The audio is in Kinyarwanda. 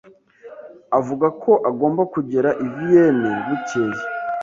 Avuga ko agomba kugera i Vienne bukeye.